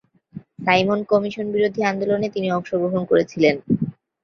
Simon commission বিরোধী আন্দোলনে তিনি অংশগ্রহণ করেছিলেন।